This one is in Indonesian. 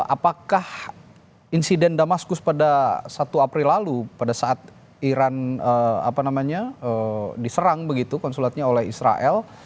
apakah insiden damaskus pada satu april lalu pada saat iran diserang begitu konsulatnya oleh israel